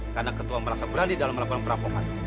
karena ketua merasa berani dalam melakukan perampokan